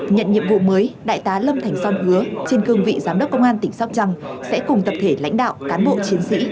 nhận nhiệm vụ mới đại tá lâm thành son hứa trên cương vị giám đốc công an tỉnh sóc trăng sẽ cùng tập thể lãnh đạo cán bộ chiến sĩ